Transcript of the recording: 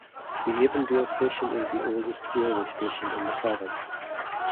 The Avondale station is the oldest railway station in the province.